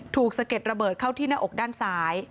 สะเก็ดระเบิดเข้าที่หน้าอกด้านซ้าย